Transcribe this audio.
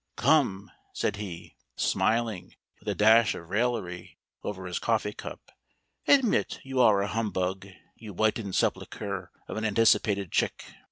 "Come," said he, smiling, with a dash of raillery, over his coffee cup; "admit you are a humbug, you whitened sepulchre of an anticipated chick!